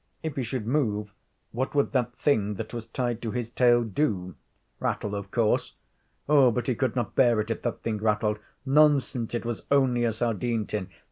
If he should move, what would that thing that was tied to his tail do? Rattle, of course. Oh, but he could not bear it if that thing rattled. Nonsense; it was only a sardine tin.